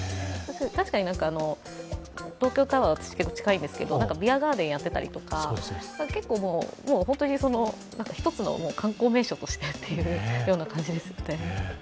確かに東京タワー、私、結構近いんですけど、ビアガーデンやってたりとか結構もう本当にひとつの観光名所としてという感じですよね。